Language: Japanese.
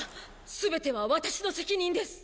全てはワタシの責任です。